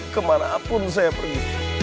kemana pun saya pergi